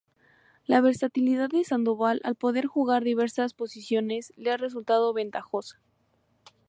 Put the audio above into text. La versatilidad de Sandoval al poder jugar diversas posiciones le ha resultado ventajosa.